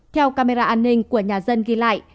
theo camera an ninh của nhà dân ghi lại